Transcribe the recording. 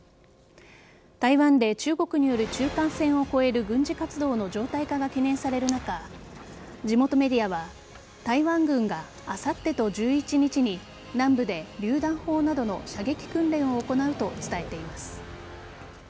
台湾で中国による中間線を越える軍事活動の常態化が懸念される中地元メディアは台湾軍があさってと１１日に南部でりゅう弾砲などの射撃訓練を行うと伝えています。